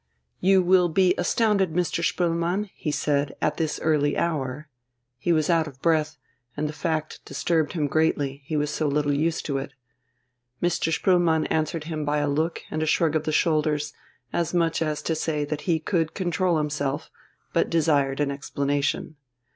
"You will be astounded, Mr. Spoelmann," he said, "at this early hour ..." He was out of breath, and the fact disturbed him greatly, he was so little used to it. Mr. Spoelmann answered him by a look and a shrug of the shoulders, as much as to say that he could control himself, but desired an explanation.